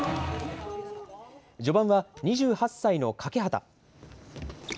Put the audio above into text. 序盤は２８歳の欠端。